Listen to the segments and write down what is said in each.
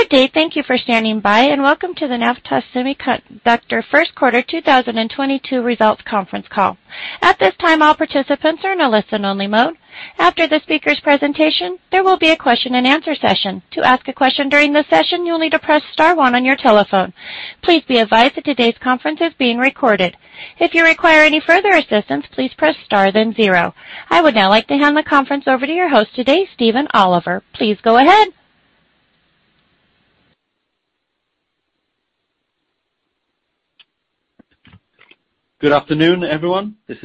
Good day. Thank you for standing by, and welcome to the Navitas Semiconductor first quarter 2022 results conference call. At this time, all participants are in a listen only mode. After the speaker's presentation, there will be a question and answer session. To ask a question during this session, you'll need to press star one on your telephone. Please be advised that today's conference is being recorded. If you require any further assistance, please press star then zero. I would now like to hand the conference over to your host today, Stephen Oliver. Please go ahead. Good afternoon, everyone. I'm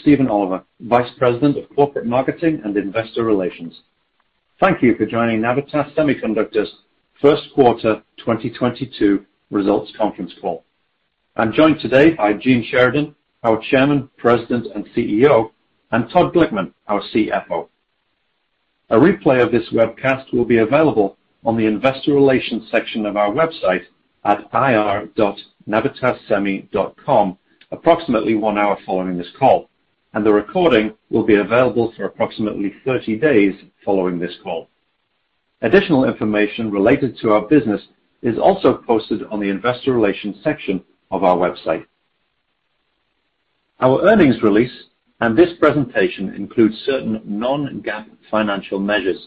Stephen Oliver, Vice President of Corporate Marketing and Investor Relations. Thank you for joining Navitas Semiconductor's first quarter 2022 results conference call. I'm joined today by Gene Sheridan, our Chairman, President, and CEO, and Todd Glickman, our CFO. A replay of this webcast will be available on the investor relations section of our website at ir.navitassemi.com approximately one hour following this call, and the recording will be available for approximately 30 days following this call. Additional information related to our business is also posted on the investor relations section of our website. Our earnings release and this presentation includes certain non-GAAP financial measures.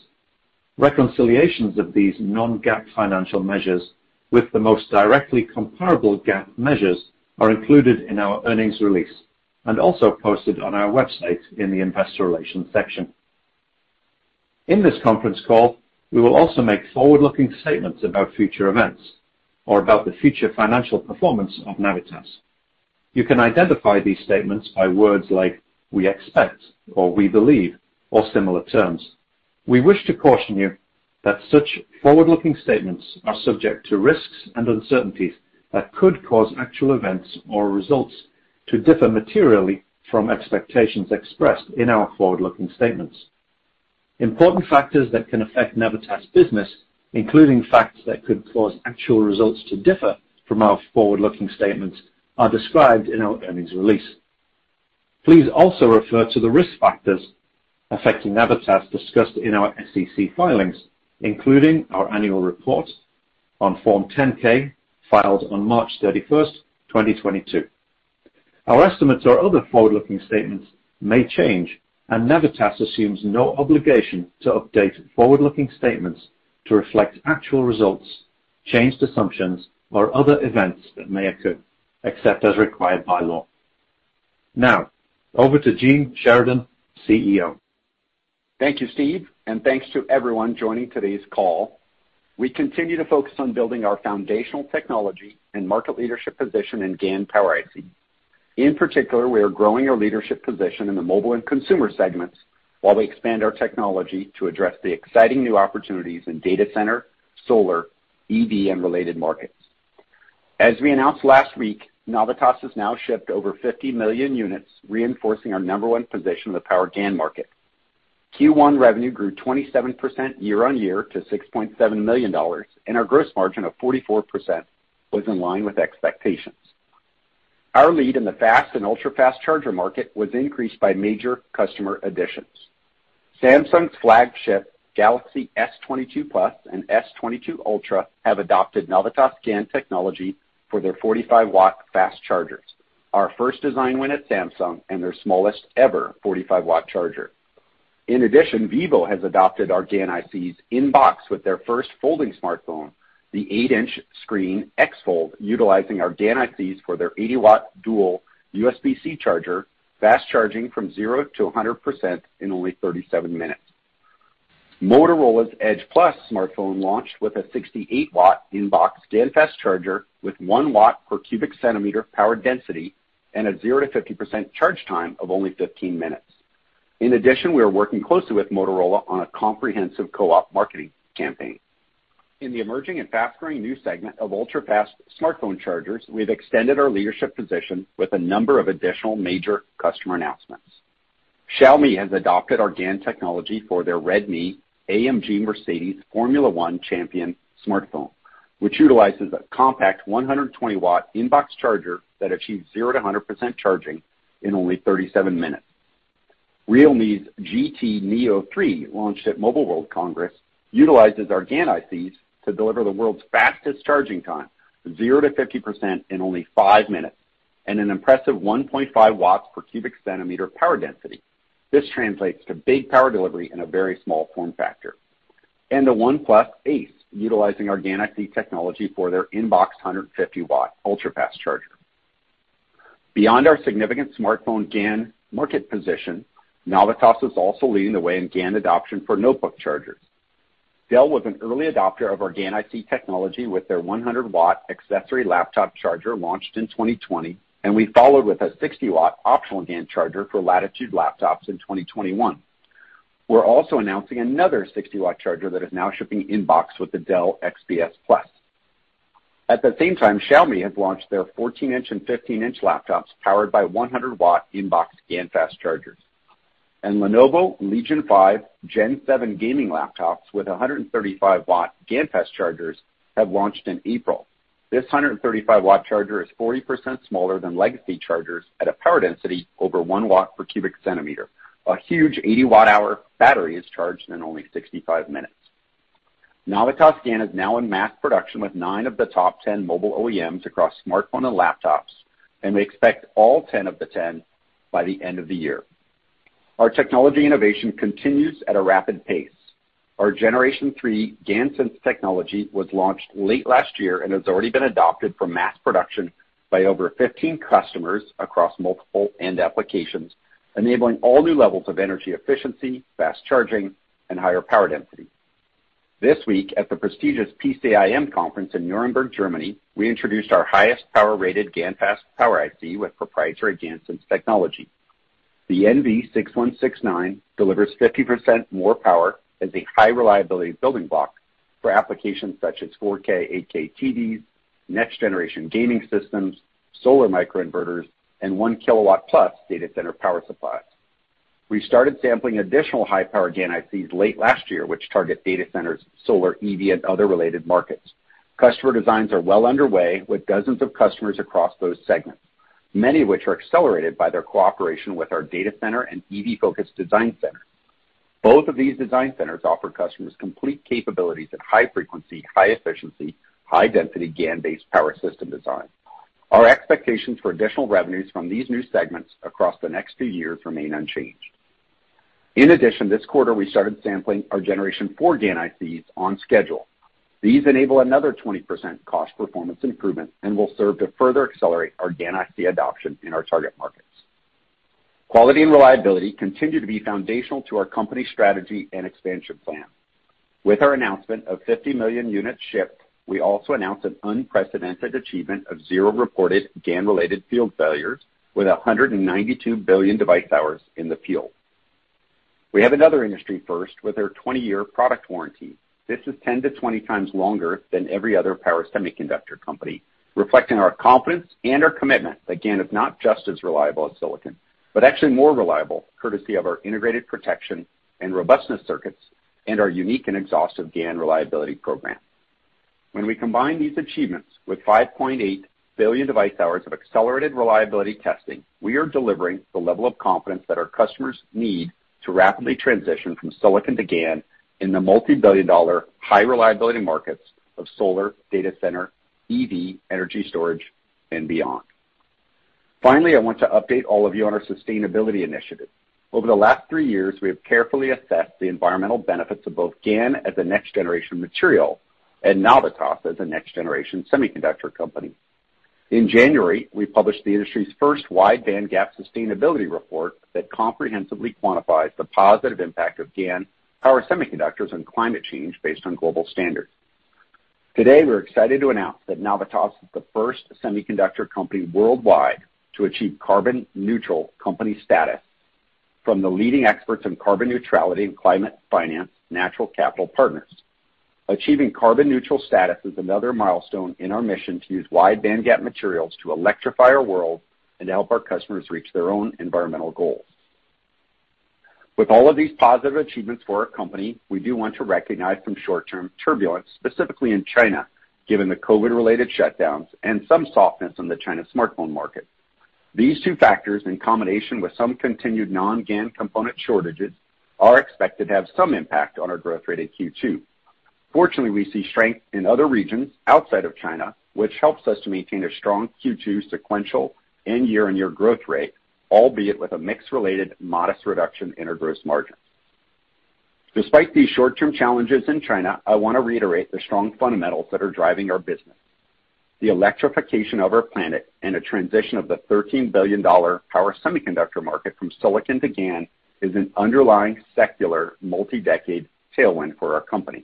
Reconciliations of these non-GAAP financial measures with the most directly comparable GAAP measures are included in our earnings release and also posted on our website in the investor relations section. In this conference call, we will also make forward-looking statements about future events or about the future financial performance of Navitas. You can identify these statements by words like, "we expect," or, "we believe," or similar terms. We wish to caution you that such forward-looking statements are subject to risks and uncertainties that could cause actual events or results to differ materially from expectations expressed in our forward-looking statements. Important factors that can affect Navitas' business, including facts that could cause actual results to differ from our forward-looking statements, are described in our earnings release. Please also refer to the risk factors affecting Navitas discussed in our SEC filings, including our annual report on Form 10-K filed on March 31, 2022. Our estimates or other forward-looking statements may change, and Navitas assumes no obligation to update forward-looking statements to reflect actual results, changed assumptions, or other events that may occur, except as required by law. Now over to Gene Sheridan, CEO. Thank you, Steve, and thanks to everyone joining today's call. We continue to focus on building our foundational technology and market leadership position in GaN power IC. In particular, we are growing our leadership position in the mobile and consumer segments while we expand our technology to address the exciting new opportunities in data center, solar, EV, and related markets. As we announced last week, Navitas has now shipped over 50 million units, reinforcing our number one position in the power GaN market. Q1 revenue grew 27% year-over-year to $6.7 million, and our gross margin of 44% was in line with expectations. Our lead in the fast and ultra-fast charger market was increased by major customer additions. Samsung's flagship Galaxy S22 Plus and S22 Ultra have adopted Navitas GaN technology for their 45-watt fast chargers, our first design win at Samsung, and their smallest ever 45-watt charger. In addition, vivo has adopted our GaN ICs in box with their first folding smartphone, the 8-inch screen X Fold, utilizing our GaN ICs for their 80-watt dual USB-C charger, fast charging from 0% to 100% in only 37 minutes. Motorola's Edge+ smartphone launched with a 68-watt in box GaN fast charger with one watt per cubic centimeter power density and a 0% to 50% charge time of only 15 minutes. In addition, we are working closely with Motorola on a comprehensive co-op marketing campaign. In the emerging and fast-growing new segment of ultra-fast smartphone chargers, we've extended our leadership position with a number of additional major customer announcements. Xiaomi has adopted our GaN technology for their Redmi K50 Mercedes-AMG Petronas F1 phone, which utilizes a compact 120 W in-box charger that achieves 0-100% charging in only 37 minutes. realme's GT Neo three, launched at Mobile World Congress, utilizes our GaN ICs to deliver the world's fastest charging time, 0-50% in only five minutes, and an impressive 1.5 W/cm³ power density. This translates to big power delivery in a very small form factor. The OnePlus Ace, utilizing our GaN IC technology for their in-box 150 W ultra-fast charger. Beyond our significant smartphone GaN market position, Navitas is also leading the way in GaN adoption for notebook chargers. Dell was an early adopter of our GaN IC technology with their 100-watt accessory laptop charger launched in 2020, and we followed with a 60-watt optional GaN charger for Latitude laptops in 2021. We're also announcing another 60-watt charger that is now shipping in-box with the Dell XPS 13 Plus. At the same time, Xiaomi has launched their 14-inch and 15-inch laptops powered by 100-watt in-box GaN fast chargers. Lenovo Legion five Gen 7 gaming laptops with 135-watt GaN fast chargers have launched in April. This 135-watt charger is 40% smaller than legacy chargers at a power density over one watt per cubic centimeter. A huge 80-watt-hour battery is charged in only 65 minutes. Navitas GaN is now in mass production with nine of the top 10 mobile OEMs across smartphone and laptops, and we expect all 10 of the 10 by the end of the year. Our technology innovation continues at a rapid pace. Our Generation three GaNSense technology was launched late last year and has already been adopted for mass production by over 15 customers across multiple end applications, enabling all new levels of energy efficiency, fast charging, and higher power density. This week, at the prestigious PCIM conference in Nuremberg, Germany, we introduced our highest power-rated GaNFast power IC with proprietary GaNSense technology. The NV6169 delivers 50% more power as a high reliability building block for applications such as 4K/8K TVs, next generation gaming systems, solar micro inverters, and 1 kW+ data center power supplies. We started sampling additional high-power GaN ICs late last year, which target data centers, solar, EV, and other related markets. Customer designs are well underway with dozens of customers across those segments, many of which are accelerated by their cooperation with our data center and EV-focused design center. Both of these design centers offer customers complete capabilities at high frequency, high efficiency, high density GaN-based power system design. Our expectations for additional revenues from these new segments across the next few years remain unchanged. In addition, this quarter, we started sampling our Generation four GaN ICs on schedule. These enable another 20% cost performance improvement and will serve to further accelerate our GaN IC adoption in our target markets. Quality and reliability continue to be foundational to our company strategy and expansion plan. With our announcement of 50 million units shipped, we also announced an unprecedented achievement of 0 reported GaN-related field failures with 192 billion device hours in the field. We have another industry first with our 20-year product warranty. This is 10-20 times longer than every other power semiconductor company, reflecting our confidence and our commitment that GaN is not just as reliable as silicon, but actually more reliable, courtesy of our integrated protection and robustness circuits and our unique and exhaustive GaN reliability program. When we combine these achievements with 5.8 billion device hours of accelerated reliability testing, we are delivering the level of confidence that our customers need to rapidly transition from silicon to GaN in the $multi-billion-dollar high reliability markets of solar, data center, EV, energy storage, and beyond. Finally, I want to update all of you on our sustainability initiative. Over the last three years, we have carefully assessed the environmental benefits of both GaN as a next generation material and Navitas as a next generation semiconductor company. In January, we published the industry's first wide bandgap sustainability report that comprehensively quantifies the positive impact of GaN power semiconductors on climate change based on global standards. Today, we're excited to announce that Navitas is the first semiconductor company worldwide to achieve carbon neutral company status from the leading experts in carbon neutrality and climate finance, Natural Capital Partners. Achieving carbon neutral status is another milestone in our mission to use wide bandgap materials to electrify our world and help our customers reach their own environmental goals. With all of these positive achievements for our company, we do want to recognize some short-term turbulence, specifically in China, given the COVID-related shutdowns and some softness in the China smartphone market. These two factors, in combination with some continued non-GaN component shortages, are expected to have some impact on our growth rate in Q2. Fortunately, we see strength in other regions outside of China, which helps us to maintain a strong Q2 sequential and year-on-year growth rate, albeit with a mix-related modest reduction in our gross margins. Despite these short-term challenges in China, I want to reiterate the strong fundamentals that are driving our business. The electrification of our planet and a transition of the $13 billion power semiconductor market from silicon to GaN is an underlying secular multi-decade tailwind for our company.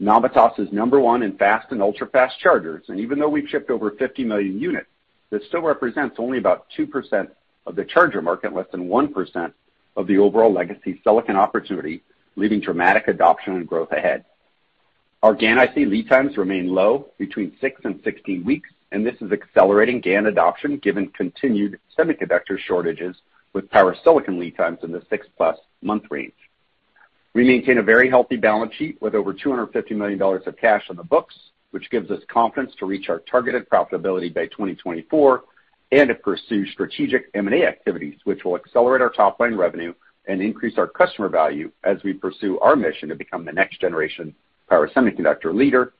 Navitas is No. 1 in fast and ultra-fast chargers, and even though we've shipped over 50 million units, this still represents only about 2% of the charger market, less than 1% of the overall legacy silicon opportunity, leaving dramatic adoption and growth ahead. Our GaN IC lead times remain low, between 6 and 16 weeks, and this is accelerating GaN adoption given continued semiconductor shortages with power silicon lead times in the 6+ month range. We maintain a very healthy balance sheet with over $250 million of cash on the books, which gives us confidence to reach our targeted profitability by 2024 and to pursue strategic M&A activities, which will accelerate our top line revenue and increase our customer value as we pursue our mission to become the next generation power semiconductor leader.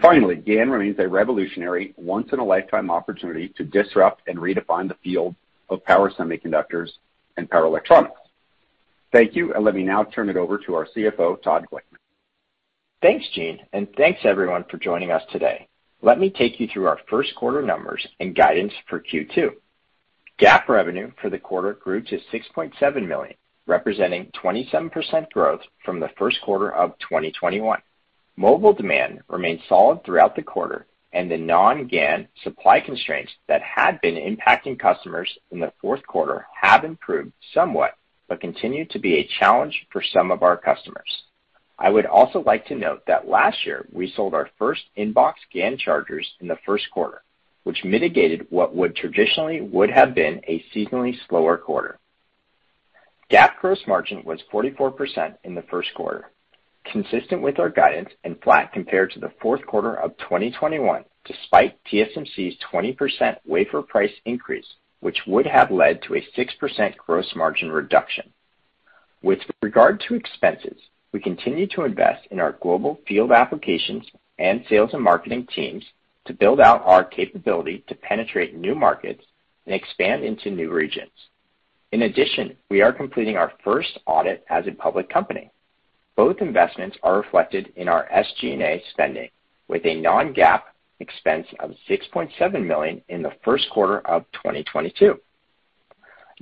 Finally, GaN remains a revolutionary once-in-a-lifetime opportunity to disrupt and redefine the field of power semiconductors and power electronics. Thank you, and let me now turn it over to our CFO, Todd Glickman. Thanks, Gene, and thanks everyone for joining us today. Let me take you through our first quarter numbers and guidance for Q2. GAAP revenue for the quarter grew to $6.7 million, representing 27% growth from the first quarter of 2021. Mobile demand remained solid throughout the quarter and the non-GaN supply constraints that had been impacting customers in the fourth quarter have improved somewhat, but continue to be a challenge for some of our customers. I would also like to note that last year we sold our first in-box GaN chargers in the first quarter, which mitigated what would traditionally have been a seasonally slower quarter. GAAP gross margin was 44% in the first quarter, consistent with our guidance and flat compared to the fourth quarter of 2021, despite TSMC's 20% wafer price increase, which would have led to a 6% gross margin reduction. With regard to expenses, we continue to invest in our global field applications and sales and marketing teams to build out our capability to penetrate new markets and expand into new regions. In addition, we are completing our first audit as a public company. Both investments are reflected in our SG&A spending with a non-GAAP expense of $6.7 million in the first quarter of 2022.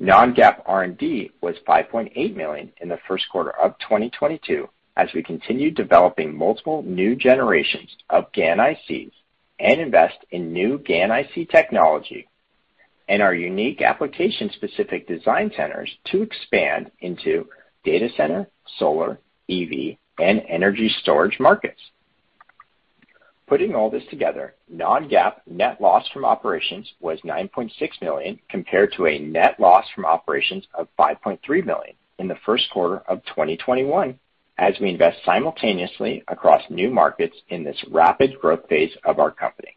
Non-GAAP R&D was $5.8 million in the first quarter of 2022 as we continue developing multiple new generations of GaN ICs and invest in new GaN IC technology and our unique application-specific design centers to expand into data center, solar, EV, and energy storage markets. Putting all this together, non-GAAP net loss from operations was $9.6 million compared to a net loss from operations of $5.3 million in the first quarter of 2021 as we invest simultaneously across new markets in this rapid growth phase of our company.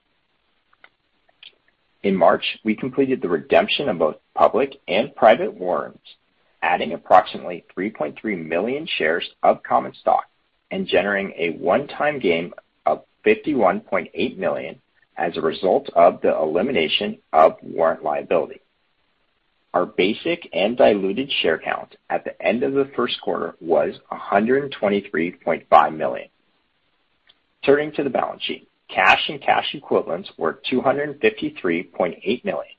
In March, we completed the redemption of both public and private warrants, adding approximately 3.3 million shares of common stock and generating a one-time gain of $51.8 million as a result of the elimination of warrant liability. Our basic and diluted share count at the end of the first quarter was 123.5 million. Turning to the balance sheet. Cash and cash equivalents were $253.8 million.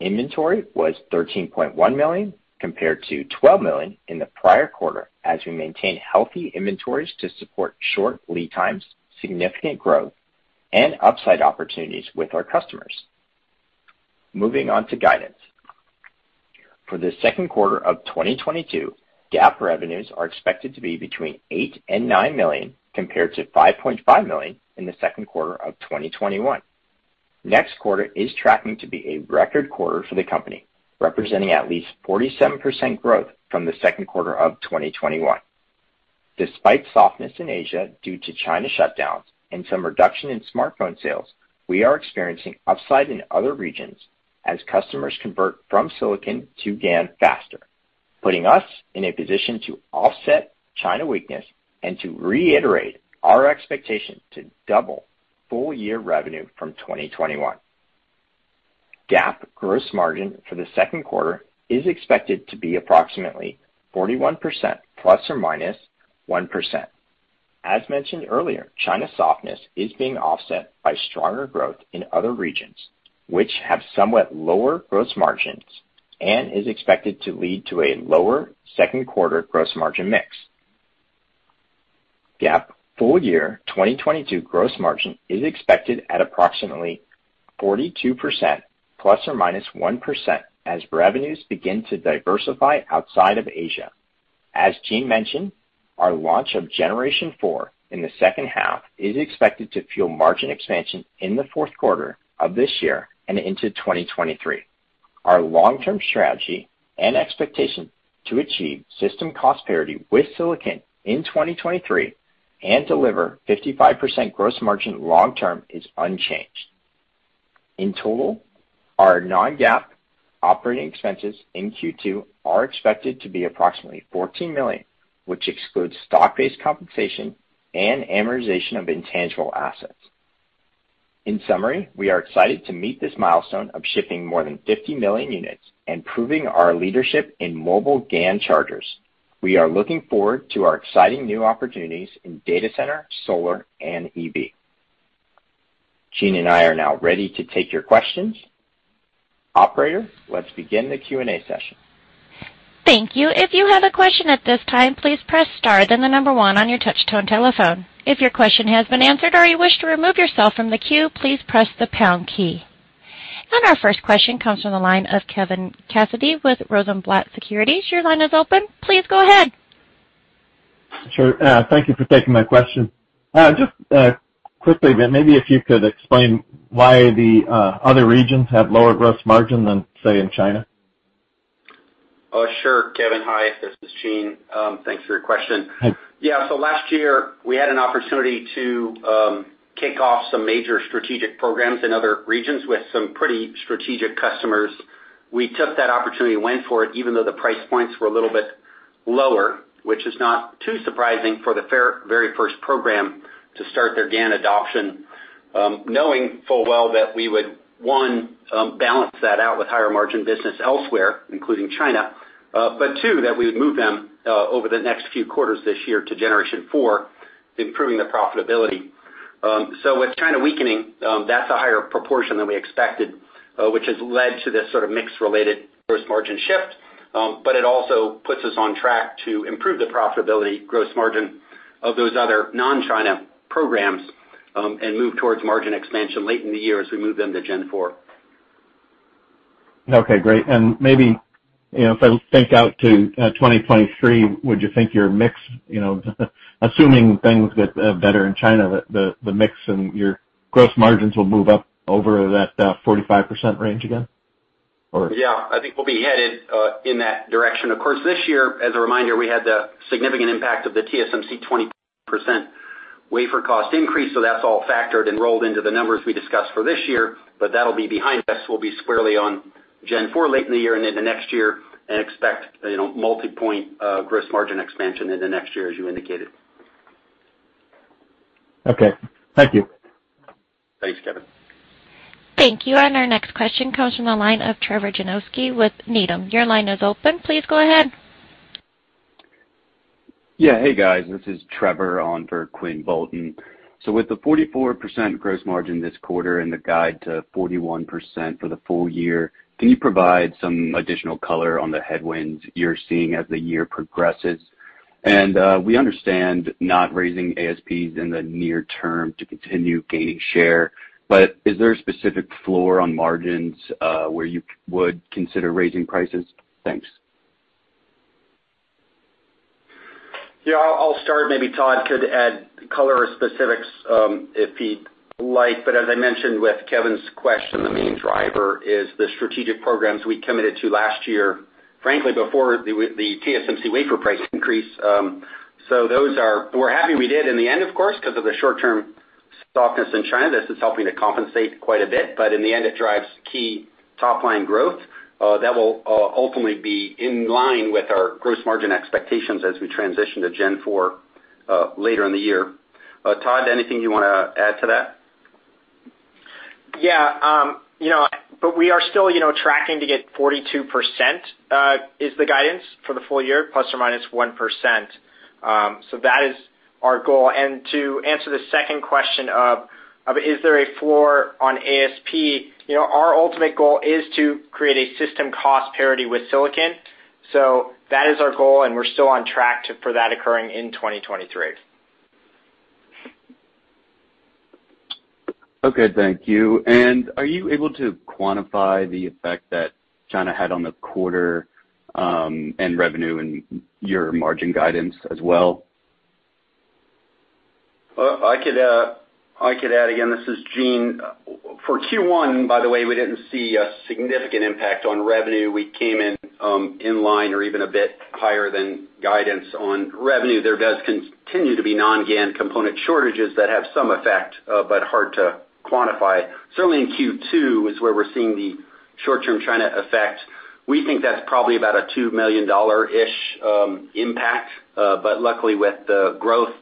Inventory was $13.1 million compared to $12 million in the prior quarter as we maintain healthy inventories to support short lead times, significant growth, and upside opportunities with our customers. Moving on to guidance. For the second quarter of 2022, GAAP revenues are expected to be between $8 million and $9 million compared to $5.5 million in the second quarter of 2021. Next quarter is tracking to be a record quarter for the company, representing at least 47% growth from the second quarter of 2021. Despite softness in Asia due to China shutdowns and some reduction in smartphone sales, we are experiencing upside in other regions as customers convert from silicon to GaN faster, putting us in a position to offset China weakness and to reiterate our expectation to double full-year revenue from 2021. GAAP gross margin for the second quarter is expected to be approximately 41% ±1%. As mentioned earlier, China softness is being offset by stronger growth in other regions, which have somewhat lower gross margins and is expected to lead to a lower second quarter gross margin mix. GAAP full-year 2022 gross margin is expected at approximately 42% ±1% as revenues begin to diversify outside of Asia. As Gene mentioned, our launch of Generation four in the second half is expected to fuel margin expansion in the fourth quarter of this year and into 2023. Our long-term strategy and expectation to achieve system cost parity with silicon in 2023 and deliver 55% gross margin long term is unchanged. In total, our non-GAAP operating expenses in Q2 are expected to be approximately $14 million, which excludes stock-based compensation and amortization of intangible assets. In summary, we are excited to meet this milestone of shipping more than 50 million units and proving our leadership in mobile GaN chargers. We are looking forward to our exciting new opportunities in data center, solar, and EV. Gene and I are now ready to take your questions. Operator, let's begin the Q&A session. Thank you. If you have a question at this time, please press star then the number one on your touch-tone telephone. If your question has been answered or you wish to remove yourself from the queue, please press the pound key. Our first question comes from the line of Kevin Cassidy with Rosenblatt Securities. Your line is open. Please go ahead. Sure. Thank you for taking my question. Just quickly, maybe if you could explain why the other regions have lower gross margin than, say, in China? Oh, sure. Kevin, hi, this is Gene. Thanks for your question. Thanks. Yeah. Last year, we had an opportunity to kick off some major strategic programs in other regions with some pretty strategic customers. We took that opportunity and went for it even though the price points were a little bit lower, which is not too surprising for the very first program to start their GaN adoption, knowing full well that we would, one, balance that out with higher margin business elsewhere, including China, but two, that we would move them over the next few quarters this year to generation four, improving the profitability. With China weakening, that's a higher proportion than we expected, which has led to this sort of mix-related gross margin shift. It also puts us on track to improve the profitability gross margin of those other non-China programs and move towards margin expansion late in the year as we move them to Gen four. Okay, great. Maybe, you know, if I think out to 2023, would you think your mix, you know, assuming things get better in China, the mix and your Gross margins will move up over that, 45% range again or- Yeah, I think we'll be headed in that direction. Of course, this year, as a reminder, we had the significant impact of the TSMC 20% wafer cost increase, so that's all factored and rolled into the numbers we discussed for this year. That'll be behind us. We'll be squarely on Gen four late in the year and into next year, and expect, you know, multipoint gross margin expansion into next year, as you indicated. Okay. Thank you. Thanks, Kevin. Thank you. Our next question comes from the line of Trevor Janoskie with Needham. Your line is open. Please go ahead. Yeah. Hey, guys, this is Trevor on for Quinn Bolton. With the 44% gross margin this quarter and the guide to 41% for the full year, can you provide some additional color on the headwinds you're seeing as the year progresses? We understand not raising ASPs in the near term to continue gaining share, but is there a specific floor on margins, where you would consider raising prices? Thanks. Yeah, I'll start. Maybe Todd could add color or specifics if he'd like. But as I mentioned with Kevin's question, the main driver is the strategic programs we committed to last year, frankly, before the TSMC wafer price increase. We're happy we did in the end, of course, 'cause of the short-term softness in China. This is helping to compensate quite a bit, but in the end it drives key top line growth that will ultimately be in line with our gross margin expectations as we transition to Gen 4 later in the year. Todd, anything you wanna add to that? Yeah, you know, but we are still, you know, tracking to get 42% is the guidance for the full year, ±1%. That is our goal. To answer the second question of is there a floor on ASP, you know, our ultimate goal is to create a system cost parity with silicon. That is our goal, and we're still on track for that occurring in 2023. Okay, thank you. Are you able to quantify the effect that China had on the quarter, and revenue and your margin guidance as well? Well, I could add again, this is Gene. For Q1, by the way, we didn't see a significant impact on revenue. We came in in line or even a bit higher than guidance on revenue. There does continue to be non-GaN component shortages that have some effect, but hard to quantify. Certainly in Q2 is where we're seeing the short-term China effect. We think that's probably about a $2 million-ish impact. Luckily with the growth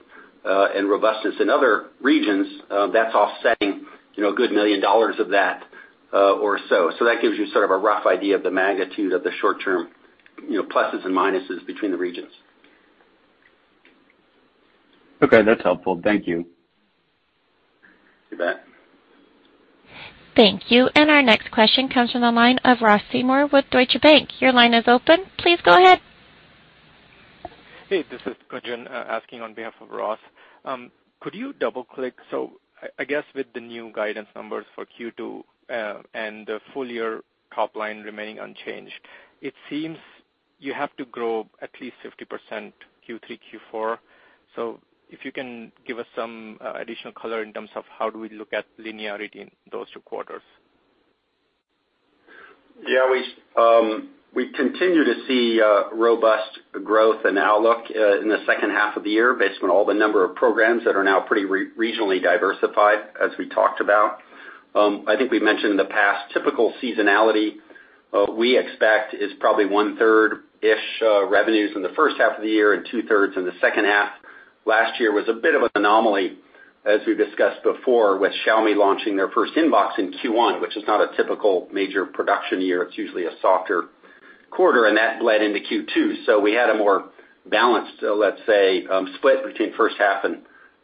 and robustness in other regions, that's offsetting, you know, a good $1 million of that, or so. That gives you sort of a rough idea of the magnitude of the short-term, you know, pluses and minuses between the regions. Okay, that's helpful. Thank you. You bet. Thank you. Our next question comes from the line of Ross Seymore with Deutsche Bank. Your line is open. Please go ahead. Hey, this is Arjun asking on behalf of Ross. Could you double-click? I guess with the new guidance numbers for Q2, and the full-year top line remaining unchanged, it seems you have to grow at least 50% Q3, Q4. If you can give us some additional color in terms of how do we look at linearity in those two quarters? Yeah, we continue to see robust growth and outlook in the second half of the year based on all the number of programs that are now pretty regionally diversified, as we talked about. I think we mentioned in the past typical seasonality we expect is probably one-third-ish revenues in the first half of the year and two-thirds in the second half. Last year was a bit of an anomaly, as we discussed before with Xiaomi launching their first in-box in Q1, which is not a typical major production year. It's usually a softer quarter, and that bled into Q2. We had a more balanced, let's say, split between first half and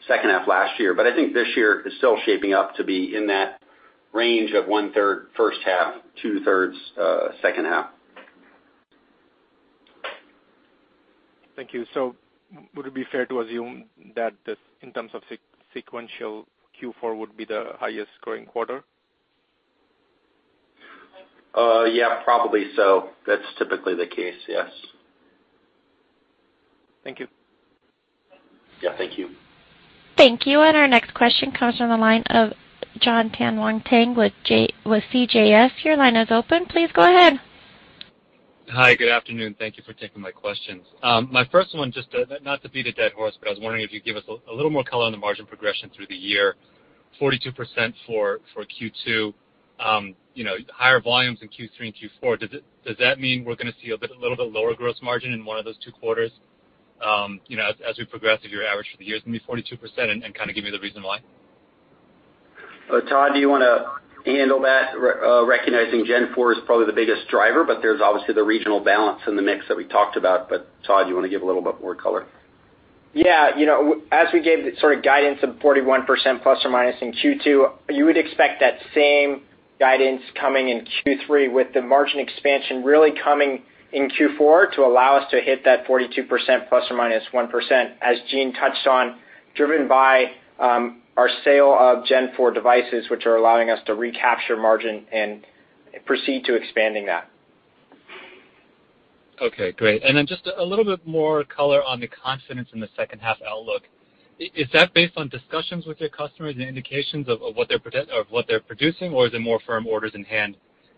second half last year. I think this year is still shaping up to be in that range of one-third first half, two-thirds second half. Thank you. Would it be fair to assume that in terms of sequential Q4 would be the highest growing quarter? Yeah, probably so. That's typically the case, yes. Thank you. Yeah. Thank you. Thank you. Our next question comes from the line of Jon Tanwanteng with CJS. Your line is open. Please go ahead. Hi. Good afternoon. Thank you for taking my questions. My first one, just not to beat a dead horse, but I was wondering if you'd give us a little more color on the margin progression through the year. 42% for Q2. You know, higher volumes in Q3 and Q4. Does that mean we're gonna see a bit, a little bit lower gross margin in one of those two quarters, you know, as we progress, if your average for the year is gonna be 42%, and kinda give me the reason why. Todd, do you wanna handle that? Recognizing Gen four is probably the biggest driver, but there's obviously the regional balance in the mix that we talked about. Todd, you wanna give a little bit more color? Yeah. You know, as we gave the sort of guidance of 41% plus or minus in Q2, you would expect that same guidance coming in Q3 with the margin expansion really coming in Q4 to allow us to hit that 42% ±1%, as Gene touched on, driven by our sale of Gen 4 devices, which are allowing us to recapture margin and proceed to expanding that. Okay, great. Just a little bit more color on the confidence in the second half outlook. Is that based on discussions with your customers and indications of what they're producing, or is it more firm orders in hand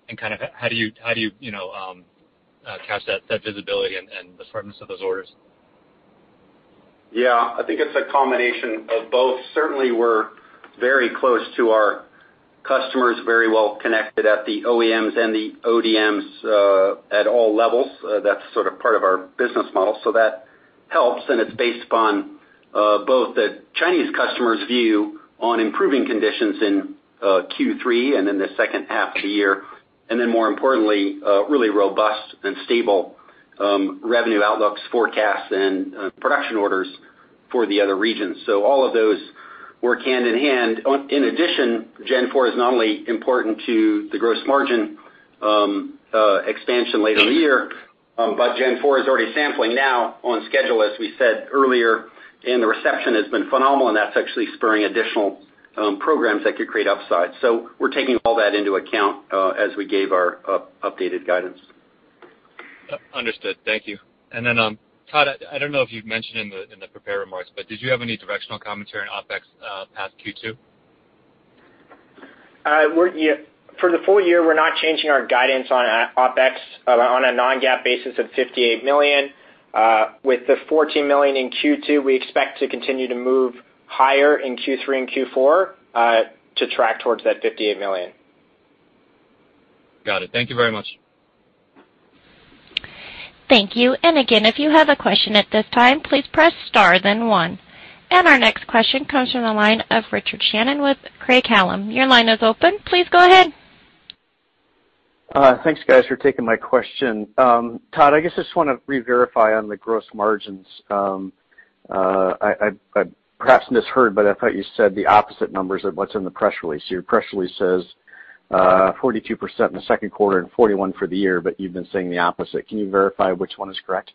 and kind of how do you you know catch that visibility and the firmness of those orders? Yeah, I think it's a combination of both. Certainly, we're very close to our customers, very well connected at the OEMs and the ODMs at all levels. That's sort of part of our business model, so that helps. It's based upon both the Chinese customers' view on improving conditions in Q3 and in the second half of the year, and then more importantly, really robust and stable revenue outlooks, forecasts and production orders for the other regions. All of those work hand in hand. In addition, Gen 4 is not only important to the gross margin expansion later in the year, but Gen 4 is already sampling now on schedule, as we said earlier, and the reception has been phenomenal, and that's actually spurring additional programs that could create upside. We're taking all that into account, as we gave our updated guidance. Understood. Thank you. Todd, I don't know if you've mentioned in the prepared remarks, but did you have any directional commentary on OpEx past Q2? For the full year, we're not changing our guidance on OpEx on a non-GAAP basis of $58 million. With the $14 million in Q2, we expect to continue to move higher in Q3 and Q4, to track towards that $58 million. Got it. Thank you very much. Thank you. Again, if you have a question at this time, please press star then one. Our next question comes from the line of Richard Shannon with Craig-Hallum. Your line is open. Please go ahead. Thanks, guys, for taking my question. Todd, I guess I just wanna re-verify on the gross margins. I perhaps misheard, but I thought you said the opposite numbers of what's in the press release. Your press release says 42% in the second quarter and 41% for the year, but you've been saying the opposite. Can you verify which one is correct?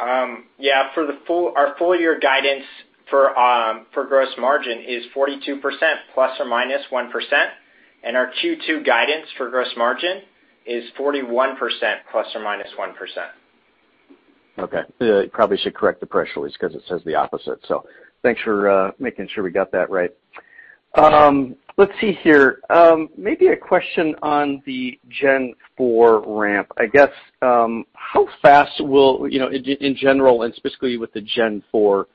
Our full-year guidance for gross margin is 42% ± 1%, and our Q2 guidance for gross margin is 41% ± 1%. Okay. Probably should correct the press release 'cause it says the opposite. Thanks for making sure we got that right. Let's see here. Maybe a question on the Gen 4 ramp. I guess, how fast will, you know, in general, and specifically with the Gen 4,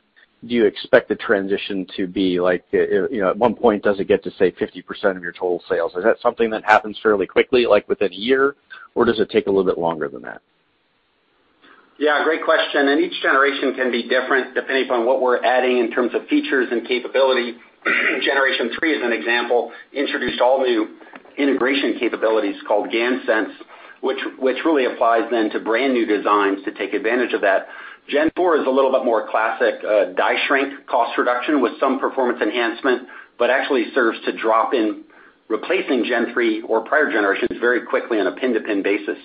do you expect the transition to be like, you know, at one point, does it get to, say, 50% of your total sales? Is that something that happens fairly quickly, like within a year, or does it take a little bit longer than that? Yeah, great question. Each generation can be different depending upon what we're adding in terms of features and capability. Generation 3, as an example, introduced all new integration capabilities called GaNSense, which really applies then to brand new designs to take advantage of that. Gen 4 is a little bit more classic, die shrink cost reduction with some performance enhancement, but actually serves to drop in replacing Gen 3 or prior generations very quickly on a pin-to-pin basis.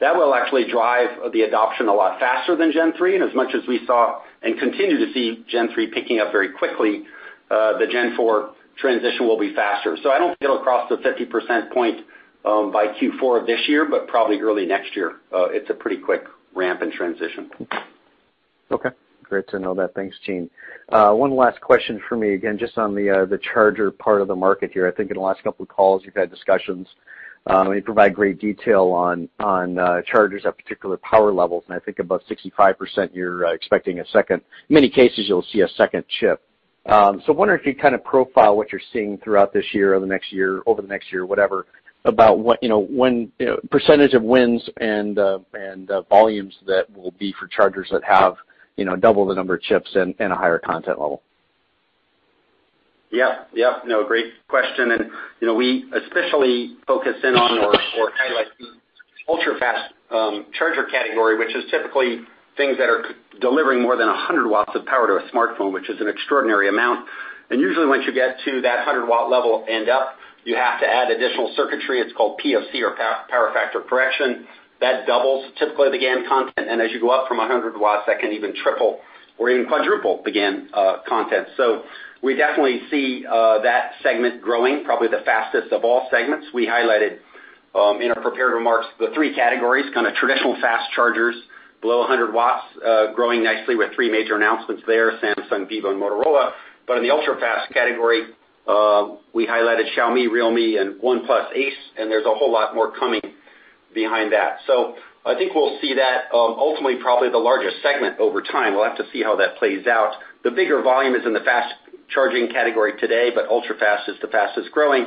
That will actually drive the adoption a lot faster than Gen 3. As much as we saw and continue to see Gen 3 picking up very quickly, the Gen 4 transition will be faster. We'll cross the 50% point by Q4 of this year, but probably early next year. It's a pretty quick ramp in transition. Okay, great to know that. Thanks, team. One last question for me, again, just on the charger part of the market here. I think in the last couple of calls you've had discussions, and you provide great detail on chargers at particular power levels, and I think above 65% you're expecting, in many cases you'll see a second chip. So wondering if you kind of profile what you're seeing throughout this year or the next year, over the next year, whatever, about what, you know, when, you know, percentage of wins and volumes that will be for chargers that have, you know, double the number of chips and a higher content level. Yeah. Yeah. No, great question. You know, we especially focus in on or highlight the ultra-fast charger category, which is typically things that are delivering more than 100 watts of power to a smartphone, which is an extraordinary amount. Usually, once you get to that 100-watt level and up, you have to add additional circuitry. It's called PFC or power factor correction. That doubles typically the GaN content, and as you go up from 100 watts, that can even triple or even quadruple the GaN content. We definitely see that segment growing probably the fastest of all segments. We highlighted in our prepared remarks the three categories, kind of traditional fast chargers below 100 watts, growing nicely with three major announcements there, Samsung, vivo, and Motorola. In the ultra-fast category, we highlighted Xiaomi, realme and OnePlus ACE, and there's a whole lot more coming behind that. I think we'll see that, ultimately probably the largest segment over time. We'll have to see how that plays out. The bigger volume is in the fast charging category today, but ultra-fast is the fastest growing.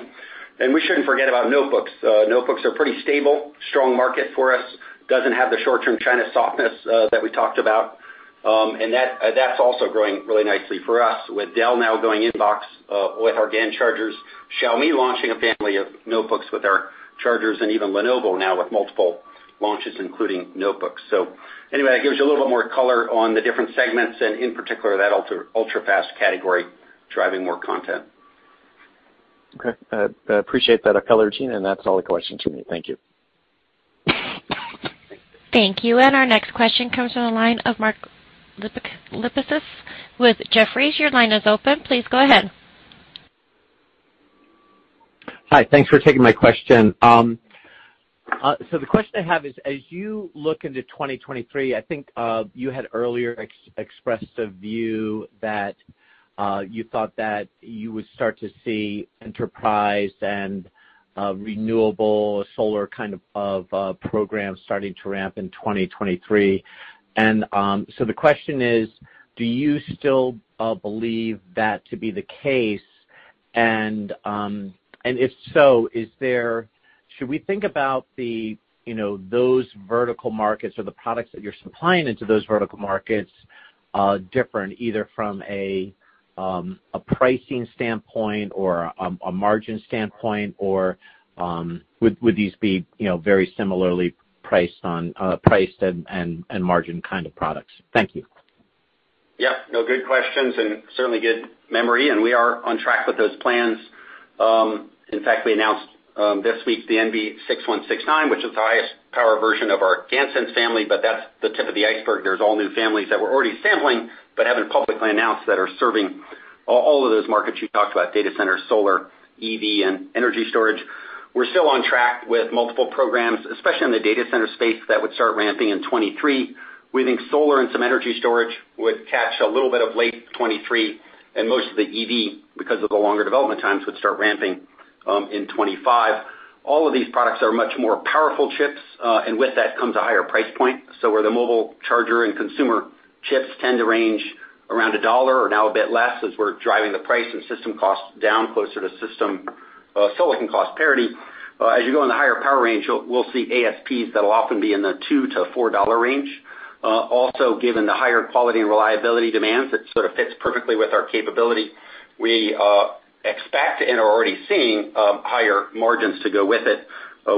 We shouldn't forget about notebooks. Notebooks are pretty stable, strong market for us, doesn't have the short-term China softness, that we talked about. And that's also growing really nicely for us with Dell now going in box, with our GaN chargers, Xiaomi launching a family of notebooks with our chargers, and even Lenovo now with multiple launches, including notebooks. Anyway, that gives you a little bit more color on the different segments and in particular that ultra-fast category driving more content. Okay. Appreciate that color, team, and that's all the questions from me. Thank you. Thank you. Our next question comes from the line of Mark Lipacis with Jefferies. Your line is open. Please go ahead. Hi. Thanks for taking my question. So the question I have is, as you look into 2023, I think, you had earlier expressed a view that you thought that you would start to see enterprise and renewable solar kind of programs starting to ramp in 2023. So the question is: Do you still believe that to be the case? And if so, should we think about the, you know, those vertical markets or the products that you're supplying into those vertical markets different either from a pricing standpoint or a margin standpoint, or would these be, you know, very similarly priced and margin kind of products? Thank you. Yeah. No, good questions and certainly good memory, and we are on track with those plans. In fact, we announced this week the NV6169, which is the highest power version of our GaNSense family, but that's the tip of the iceberg. There's all new families that we're already sampling, but haven't publicly announced that are serving all of those markets you talked about, data center, solar, EV, and energy storage. We're still on track with multiple programs, especially in the data center space that would start ramping in 2023. We think solar and some energy storage would catch a little bit of late 2023, and most of the EV, because of the longer development times, would start ramping in 2025. All of these products are much more powerful chips, and with that comes a higher price point. Where the mobile charger and consumer chips tend to range around $1 or now a bit less as we're driving the price and system costs down closer to system silicon cost parity, as you go in the higher power range, we'll see ASPs that'll often be in the $2-$4 range. Also, given the higher quality and reliability demands, it sort of fits perfectly with our capability. We expect and are already seeing higher margins to go with it.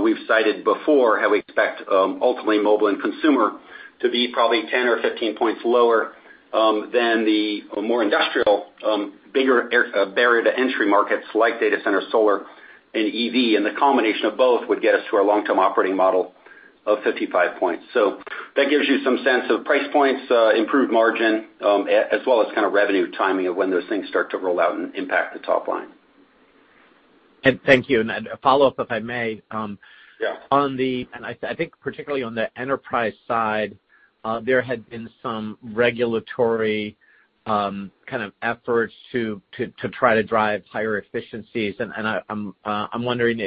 We've cited before how we expect ultimately mobile and consumer to be probably 10 or 15 points lower than the more industrial bigger barrier to entry markets like data center solar and EV. The combination of both would get us to our long-term operating model of 55 points. That gives you some sense of price points, improved margin, as well as kind of revenue timing of when those things start to roll out and impact the top line. Thank you. A follow-up, if I may. Yeah. I think particularly on the enterprise side, there had been some regulatory kind of efforts to try to drive higher efficiencies. I'm wondering,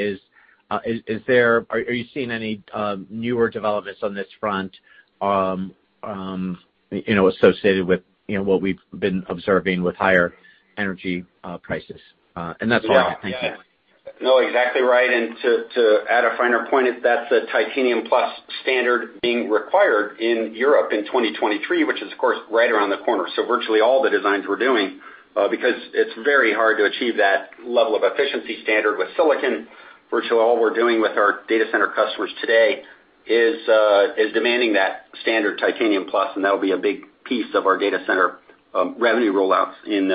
are you seeing any newer developments on this front, you know, associated with, you know, what we've been observing with higher energy prices? That's all. Thank you. Yeah. No, exactly right. To add a finer point, that's a Titanium+ standard being required in Europe in 2023, which is of course right around the corner. Virtually all the designs we're doing, because it's very hard to achieve that level of efficiency standard with silicon. Virtually all we're doing with our data center customers today is demanding that standard Titanium+, and that'll be a big piece of our data center revenue rollouts in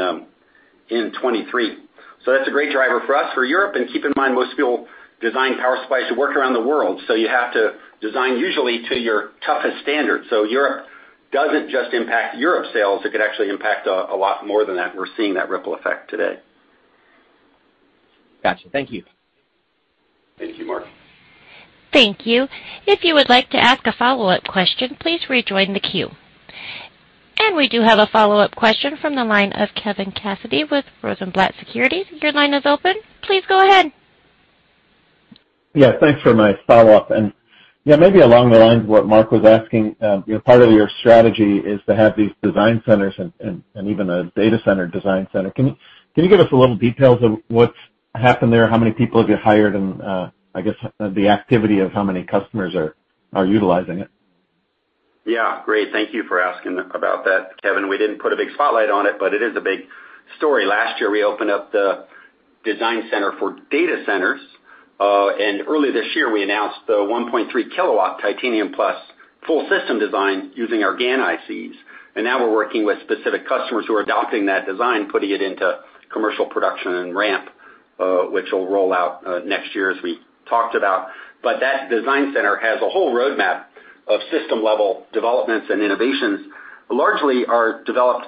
2023. That's a great driver for us for Europe. Keep in mind, most people design power supplies to work around the world, so you have to design usually to your toughest standards. Europe doesn't just impact Europe sales, it could actually impact a lot more than that. We're seeing that ripple effect today. Gotcha. Thank you. Thank you, Mark. Thank you. If you would like to ask a follow-up question, please rejoin the queue. We do have a follow-up question from the line of Kevin Cassidy with Rosenblatt Securities. Your line is open. Please go ahead. Yeah. Thanks for my follow-up. Yeah, maybe along the lines of what Mark was asking, you know, part of your strategy is to have these design centers and even a data center design center. Can you give us a little details of what's happened there, how many people have you hired, and I guess the activity of how many customers are utilizing it? Yeah. Great. Thank you for asking about that, Kevin. We didn't put a big spotlight on it, but it is a big story. Last year, we opened up the design center for data centers. Early this year, we announced the 1.3 kW Titanium+ full system design using our GaN ICs. Now we're working with specific customers who are adopting that design, putting it into commercial production and ramp, which will roll out, next year, as we talked about. That design center has a whole roadmap of system-level developments and innovations, largely are developed,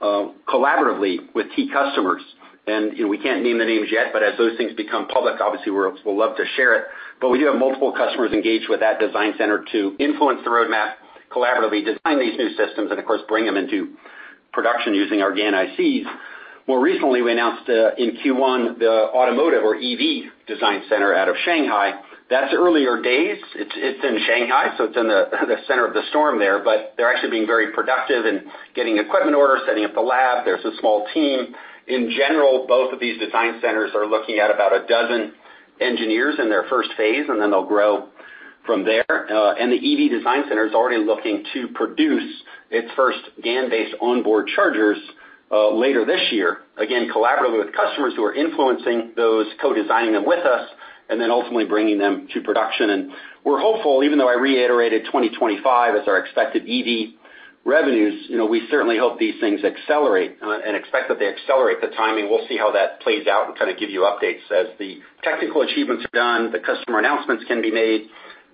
collaboratively with key customers. You know, we can't name the names yet, but as those things become public, obviously we'll love to share it. We do have multiple customers engaged with that design center to influence the roadmap, collaboratively design these new systems, and of course, bring them into production using our GaN ICs. More recently, we announced in Q1 the automotive or EV design center out of Shanghai. That's earlier days. It's in Shanghai, so it's in the center of the storm there, but they're actually being very productive in getting equipment orders, setting up the lab. There's a small team. In general, both of these design centers are looking at about a dozen engineers in their first phase, and then they'll grow from there. The EV design center is already looking to produce its first GaN-based onboard chargers later this year, again, collaboratively with customers who are influencing those, co-designing them with us, and then ultimately bringing them to production. We're hopeful, even though I reiterated 2025 as our expected EV revenues, you know, we certainly hope these things accelerate, and expect that they accelerate the timing. We'll see how that plays out and kind of give you updates as the technical achievements are done, the customer announcements can be made,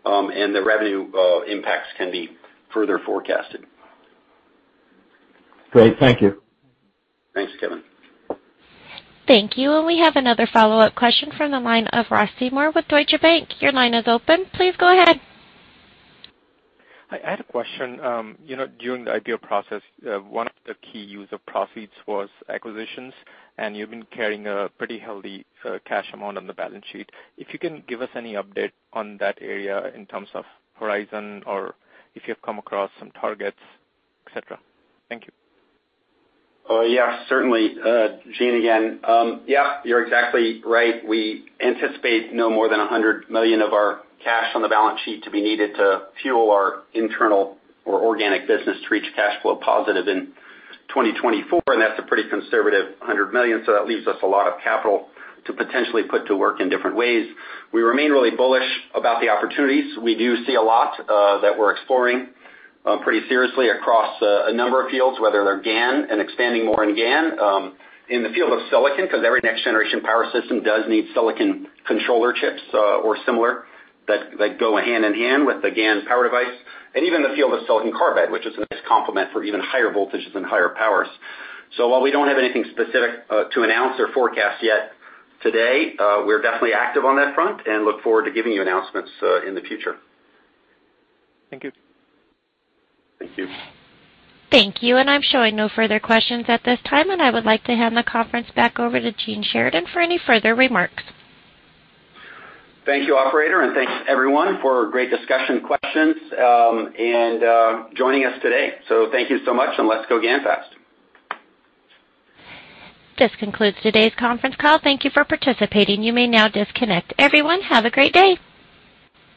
and the revenue impacts can be further forecasted. Great. Thank you. Thanks, Kevin. Thank you. We have another follow-up question from the line of Ross Seymore with Deutsche Bank. Your line is open. Please go ahead. Hi. I had a question. You know, during the IPO process, one of the key use of profits was acquisitions, and you've been carrying a pretty healthy cash amount on the balance sheet. If you can give us any update on that area in terms of horizon or if you've come across some targets, et cetera. Thank you. Oh, yeah, certainly. Gene again. Yeah, you're exactly right. We anticipate no more than $100 million of our cash on the balance sheet to be needed to fuel our internal or organic business to reach cash flow positive in 2024, and that's a pretty conservative $100 million, so that leaves us a lot of capital to potentially put to work in different ways. We remain really bullish about the opportunities. We do see a lot that we're exploring pretty seriously across a number of fields, whether they're GaN and expanding more in GaN, in the field of silicon, because every next generation power system does need silicon controller chips or similar that go hand in hand with the GaN power device, and even the field of silicon carbide, which is a nice complement for even higher voltages and higher powers. While we don't have anything specific to announce or forecast yet today, we're definitely active on that front and look forward to giving you announcements in the future. Thank you. Thank you. Thank you. I'm showing no further questions at this time, and I would like to hand the conference back over to Gene Sheridan for any further remarks. Thank you, operator, and thanks, everyone, for great discussion questions and joining us today. Thank you so much, and let's go GaNFast. This concludes today's conference call. Thank you for participating. You may now disconnect. Everyone, have a great day.